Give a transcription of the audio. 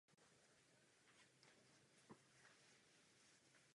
Důsledkem diferenciace jsou ve většině případů nápadné morfologické rozdíly.